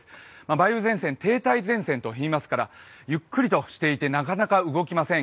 梅雨前線停滞前線といいますから、ゆっくりとしていてなかなか動きません。